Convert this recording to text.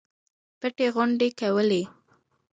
پټې غونډې کولې.